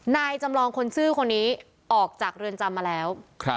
นายจำลองคนซื่อคนนี้ออกจากเรือนจำมาแล้ว